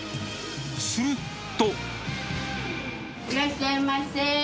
すると。